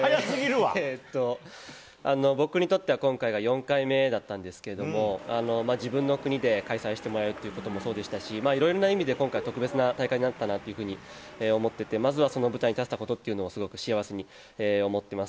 僕にとっては今回が４回目だったんですけど、自分の国で開催してもらえることもそうでしたし、いろんな意味で特別な大会だったなと思っていて、その舞台に立てたことを幸せに思っています。